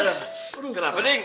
sampai jumpa lagi